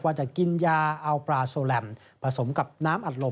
ว่าจะกินยาเอาปลาโซแลมผสมกับน้ำอัดลม